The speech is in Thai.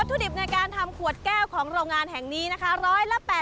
ถุดิบในการทำขวดแก้วของโรงงานแห่งนี้นะคะ